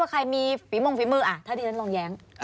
ถ้าอยู่ทีนั้นลองแย้ง